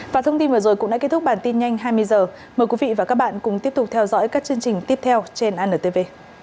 và thông tin vừa rồi cũng đã kết thúc bản tin nhanh hai mươi h mời quý vị và các bạn cùng tiếp tục theo dõi các chương trình tiếp theo trên antv